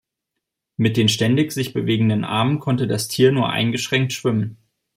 Mit den ständig sich bewegenden Armen konnte das Tier nur eingeschränkt schwimmen.